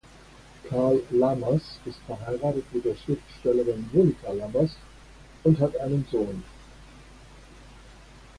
Karl Lamers ist verheiratet mit der Schriftstellerin Monika Lamers und hat einen Sohn.